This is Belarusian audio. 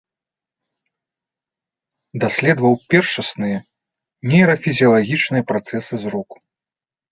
Даследаваў першасныя нейрафізіялагічныя працэсы зроку.